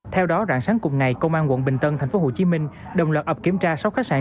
theo đó rạng sáng cùng ngày công an quận bình tân tp hcm đồng loạt ập kiểm tra sáu khách sạn